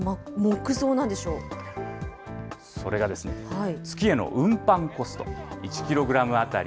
それがですね、月への運搬コスト、１キログラム当たり